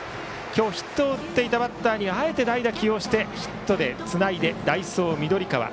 今日ヒットを打っていたバッターにあえて代打を起用してヒットでつないで代走、緑川。